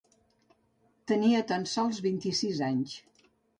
Tenia tan sols vint-i-sis anys.